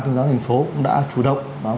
tôn giáo thành phố cũng đã chủ động báo